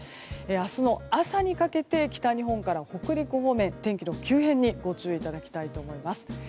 明日の朝にかけて北日本から北陸方面天気の急変にご注意いただきたいと思います。